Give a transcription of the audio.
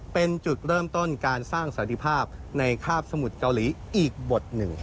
เป็นจุดเริ่มต้นการสร้างสันติภาพในคาบสมุทรเกาหลีอีกบทหนึ่ง